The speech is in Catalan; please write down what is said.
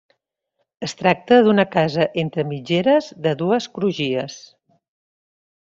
Es tracta d'una casa entre mitgeres de dues crugies.